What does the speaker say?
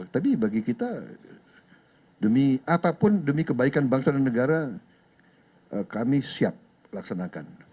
tapi bagi kita apapun demi kebaikan bangsa dan negara kami siap laksanakan